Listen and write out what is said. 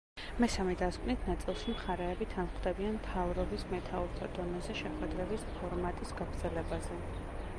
მესამე დასკვნით ნაწილში მხარეები თანხმდებიან მტავრობის მეთაურთა დონეზე შეხვედრების ფორმატის გაგრძელებაზე.